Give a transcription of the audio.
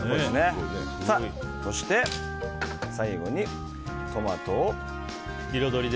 そして、最後にトマトを彩りで。